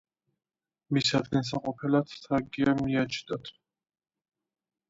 მის ადგილსამყოფელად თრაკია მიაჩნდათ.